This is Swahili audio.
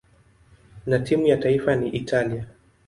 na timu ya taifa ya Italia.